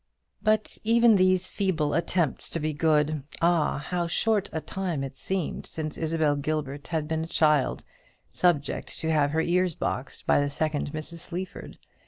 But even these feeble attempts to be good ah! how short a time it seemed since Isabel Gilbert had been a child, subject to have her ears boxed by the second Mrs. Sleaford!